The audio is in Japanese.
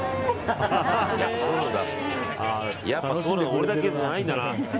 俺だけじゃないんだな。